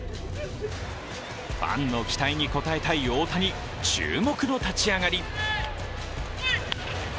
ファンの期待に応えたい大谷、注目の立ち上がり。